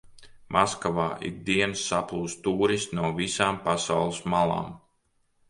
Maskavā ik dienu saplūst tūristi no visām pasaules malām.